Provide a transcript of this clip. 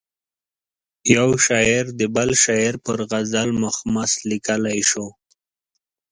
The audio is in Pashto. یو شاعر د بل شاعر پر غزل مخمس لیکلای شو.